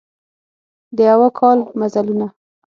د یوه کال مزلونه